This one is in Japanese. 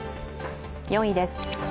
４位です。